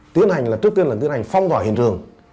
tiến hành là trước tiên là tiến hành phong tỏa hiện trường